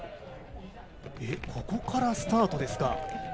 ここからスタートですか。